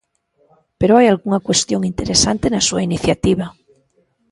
Pero hai algunha cuestión interesante na súa iniciativa.